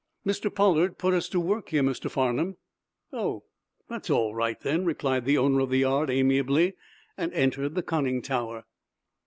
"Mr. Pollard put us to work here, Mr. Farnum." "Oh! That's all right, then," replied the owner of the yard, amiably, and entered the conning tower.